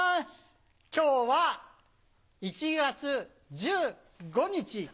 今日は１月１５日。